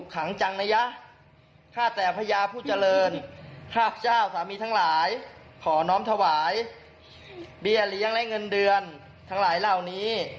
ขังจังนะยะข้าแต่พญาผู้เจริญข้าพเจ้าสามีทั้งหลายขอน้อมถวายเบี้ยเลี้ยงและเงินเดือนทั้งหลายเหล่านี้